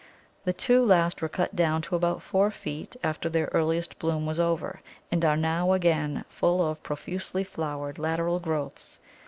The two last were cut down to about four feet after their earliest bloom was over, and are now again full of profusely flowered lateral growths.